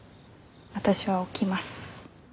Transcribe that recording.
私は起きます。